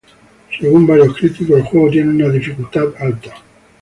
Según varios críticos, el juego tiene una dificultad alta.